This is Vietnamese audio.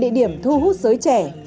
địa điểm thu hút giới trẻ